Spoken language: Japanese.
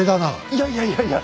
いやいやいやいや！